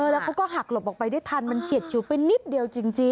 แล้วเขาก็หักหลบออกไปได้ทันมันเฉียดชิวไปนิดเดียวจริง